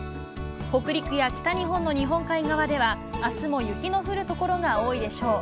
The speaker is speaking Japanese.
北陸や北日本の日本海側では、あすも雪の降る所が多いでしょう。